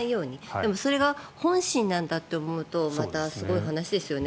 でもそれが本心だと思うとまたすごい話ですよね。